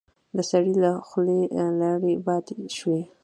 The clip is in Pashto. د سړي له خولې لاړې باد شوې.